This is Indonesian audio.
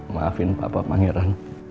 maafin papa pangeran